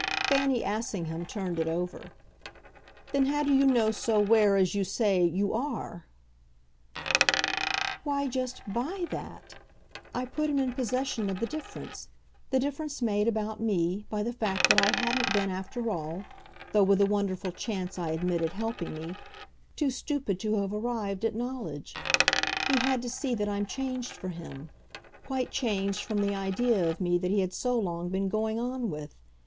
Fanny Assingham turned it over. "Then how do you know so where, as you say, you 'are'?" "Why, just BY that. I put him in possession of the difference; the difference made, about me, by the fact that I hadn't been, after all though with a wonderful chance, I admitted, helping me too stupid to have arrived at knowledge. He had to see that I'm changed for him quite changed from the idea of me that he had so long been going on with.